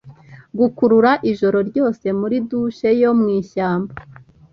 Gukurura ijoro ryose muri douche yo mwishyamba